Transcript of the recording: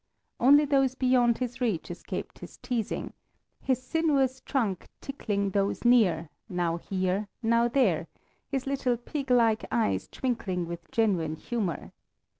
Only those beyond his reach escaped his teasing, his sinuous trunk tickling those near, now here, now there, his little pig like eyes twinkling with genuine humor.